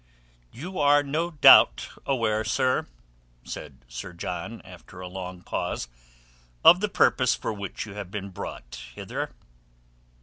"You are no doubt aware, sir," said Sir John after a long pause, "of the purpose for which you have been brought hither."